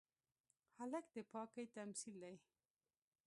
هلک د پاکۍ تمثیل دی.